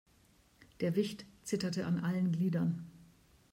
Der Wicht zitterte an allen Gliedern.